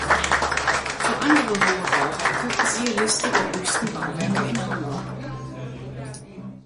Für andere hohe Bauwerke, siehe Liste der höchsten Bauwerke in Hamburg.